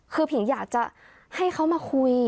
คือผิงอยากจะให้เขามาคุย